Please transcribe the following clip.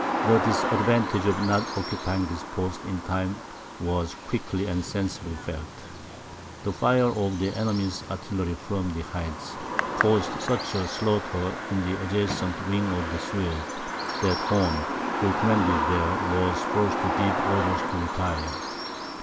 The disadvantage of not occupying this post in time, was quickly and sensibly felt. The fire of the enemy's artillery from the heights, caused such slaughter in the adjacent wing of the Swedes, that Horn, who commanded there, was forced to give orders to retire.